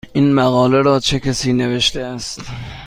این مقاله را چه کسی نوشته است؟